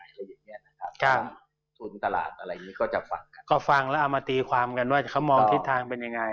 ความเงินว่าเขามองทิศทางเป็นยังไง